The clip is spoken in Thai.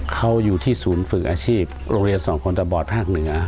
เขาอยู่ที่ศูนย์ฝึกอาชีพโรงเรียนสองคนตะบอดภาคเหนือ